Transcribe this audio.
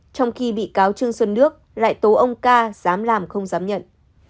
trong khi bị cáo trương xuân nước lại tố ông ca dám làm không dám nhận